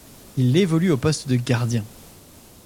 Il évolue au poste de gardien.